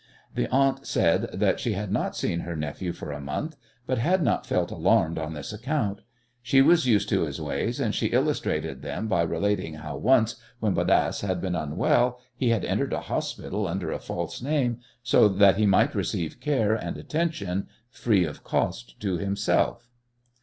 The aunt said that she had not seen her nephew for a month, but had not felt alarmed on this account. She was used to his ways, and she illustrated them by relating how once when Bodasse had been unwell he had entered a hospital under a false name so that he might receive care and attention free of cost to himself.